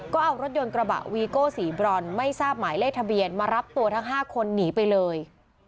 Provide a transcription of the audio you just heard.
ก็เอารถยนต์กระบะวีโก้สีบรอนไม่ทราบหมายเลขทะเบียนมารับตัวทั้ง๕คนหนีไปเลย